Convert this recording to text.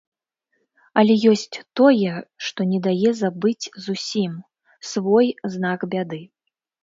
Але ёсць тое, што не дае забыць зусім, свой знак бяды.